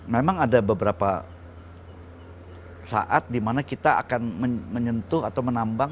memang ada beberapa saat dimana kita akan menyentuh atau menambang